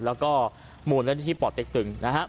แล้วก็หมู่นาฬิทธิปลอดเต็กตึง